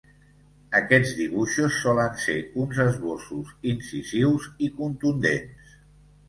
Aquests dibuixos solen ser uns esbossos incisius i contundents.